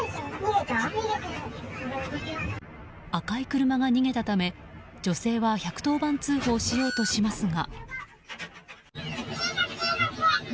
赤い車が逃げたため、女性は１１０番通報しようとしますが。